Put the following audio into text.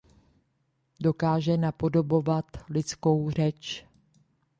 Dokáže napodobovat lidskou řeč.